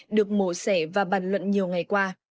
được mổ sẻ và bàn luận nhiều ngày qua